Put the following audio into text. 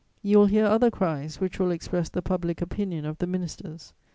you will hear other cries which will express the public opinion of the ministers.